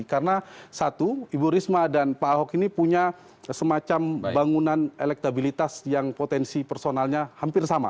karena satu ibu risma dan pak ahok ini punya semacam bangunan elektabilitas yang potensi personalnya hampir sama